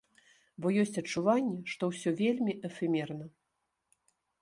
Бо ёсць адчуванне, што ўсё вельмі эфемерна.